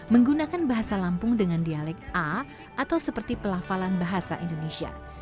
menggunakan bahasa lampung dengan dialek a atau seperti pelafalan bahasa indonesia